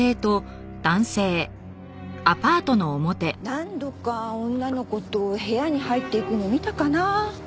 何度か女の子と部屋に入っていくのを見たかな。